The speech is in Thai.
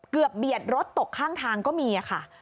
เบียดรถตกข้างทางก็มีค่ะ